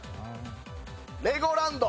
レゴランド。